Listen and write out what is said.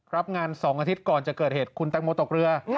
รับงาน๒อาทิตย์ก่อนจะเกิดเหตุคุณแตงโมตกเรือ